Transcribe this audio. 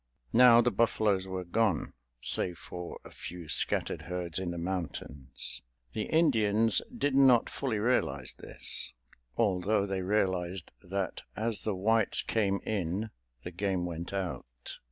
Now the buffaloes were gone, save for a few scattered herds in the mountains. The Indians did not fully realize this, although they realized that as the Whites came in, the game went out.